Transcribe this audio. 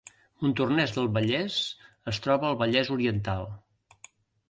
Montornès del Vallès es troba al Vallès Oriental